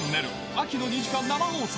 秋の２時間生放送。